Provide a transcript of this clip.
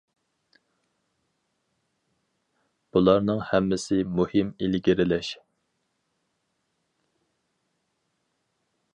بۇلارنىڭ ھەممىسى مۇھىم ئىلگىرىلەش.